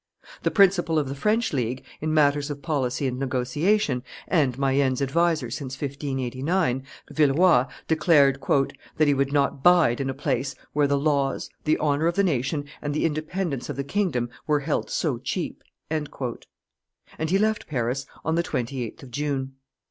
The principal of the French League, in matters of policy and negotiation, and Mayenne's adviser since 1589, Villeroi, declared "that he would not bide in a place where the laws, the honor of the nation, and the independence of the kingdom were held so cheap;" and he left Paris on the 28th of June.